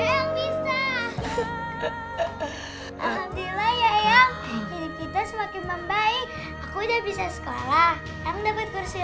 yang bisa alhamdulillah ya ya hidup kita semakin membaik aku udah bisa sekolah emang dapat kursi